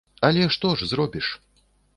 Але што ж зробіш?